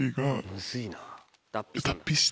むずいな。